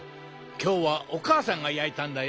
きょうはおかあさんがやいたんだよ。